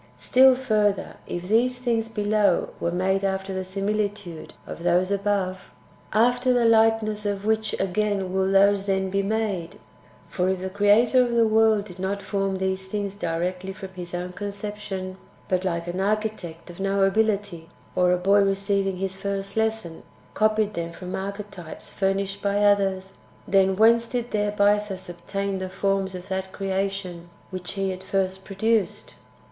5. Still furtlier, if these things [below] were made after the similitude of those [above], after the likeness of which ao ain will those then be made ? For if the Creator of the world did not form these things directly from His own ^ con ception, but, like an architect of no ability, or a boy receiving his first lesson, copied them from archetypes furnished by others, then whence did their Bythus obtain the forms of that creation which He at first produced